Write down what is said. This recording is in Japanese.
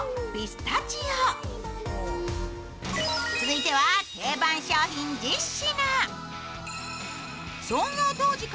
続いては定番商品１０品。